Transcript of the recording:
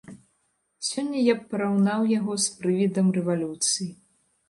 Сёння я б параўнаў яго з прывідам рэвалюцыі.